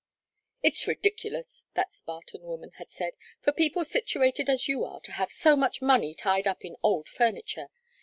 "It's ridiculous," that Spartan woman had said, "for people situated as you are to have so much money tied up in old furniture.